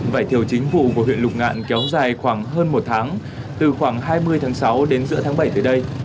vải thiều chính vụ của huyện lục ngạn kéo dài khoảng hơn một tháng từ khoảng hai mươi tháng sáu đến giữa tháng bảy tới đây